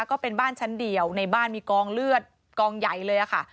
ก็เป็นบ้านชั้นเดียวในบ้านมีกองเลือดกองใหญ่เลยค่ะ